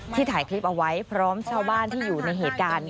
ถ่ายคลิปเอาไว้พร้อมชาวบ้านที่อยู่ในเหตุการณ์